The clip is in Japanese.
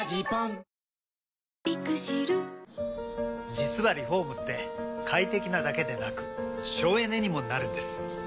実はリフォームって快適なだけでなく省エネにもなるんです。